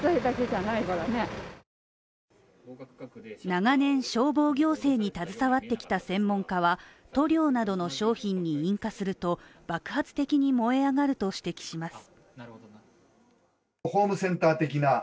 長年消防行政に携わってきた専門家は、塗料などの商品に引火すると爆発的に燃え上がると指摘します。